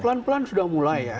pelan pelan sudah mulai ya